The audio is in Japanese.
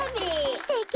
すてき！